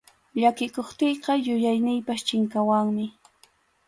Llakikuptiyqa yuyayniypas chinkawanmi.